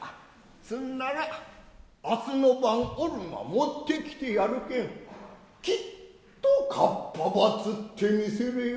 すんならあすの晩俺が持ってきてやるけんきっとかっぱば釣ってみせれよ。